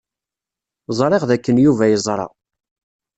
Ẓriɣ dakken Yuba yeẓra.